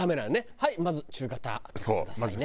「はいまず中型取ってくださいね」。